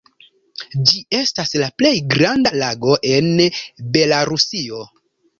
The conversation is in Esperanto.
Ĝi estas la plej granda lago en Belarusio.